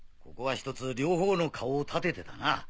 ここはひとつ両方の顔を立ててだな